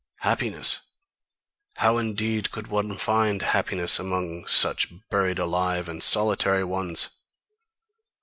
Happiness how indeed could one find happiness among such buried alive and solitary ones!